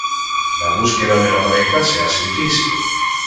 La búsqueda de la pareja se hace difícil.